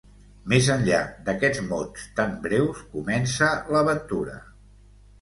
Més enllà d'aquests mots tan breus comença l'aventura.